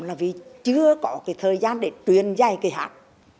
là vì chưa có cái thời gian để truyền dạy cái hát